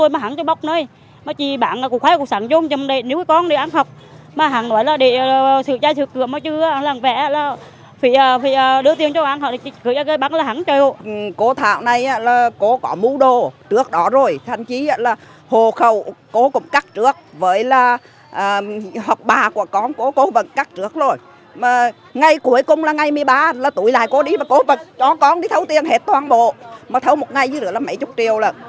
mà thấu một ngày dưới lửa là mấy chục triệu